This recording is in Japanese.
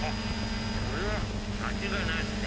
これは間違いないですね。